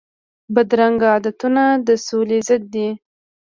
بدرنګه عادتونه د سولي ضد دي